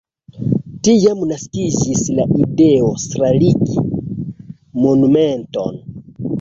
Tiam naskiĝis la ideo starigi monumenton.